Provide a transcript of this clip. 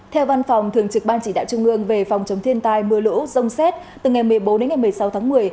theo văn phòng thường trực ban chỉ đạo trung ương về phòng chống thiên tai mưa lũ rông xét từ ngày một mươi bốn đến ngày một mươi sáu tháng một mươi